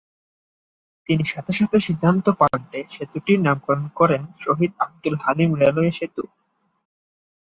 তিনি সাথে সাথে সিদ্ধান্ত পাল্টে সেতুটির নামকরণ করেন ‘শহীদ আবদুল হালিম রেলওয়ে সেতু’।